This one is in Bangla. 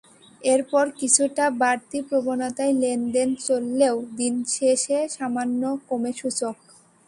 এরপর কিছুটা বাড়তি প্রবণতায় লেনদেন চললেও দিন শেষে সামান্য কমে সূচক।